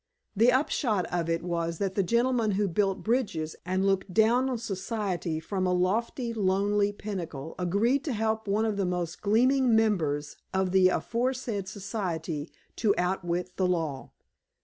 The upshot of it was that the gentleman who built bridges and looked down on society from a lofty, lonely pinnacle agreed to help one of the most gleaming members of the aforesaid society to outwit the law.